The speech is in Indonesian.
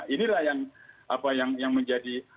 inilah yang menjadi